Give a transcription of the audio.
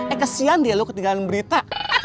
eh kesian dia loh ketinggalan berita